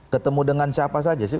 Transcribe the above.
ketemu dengan siapa saja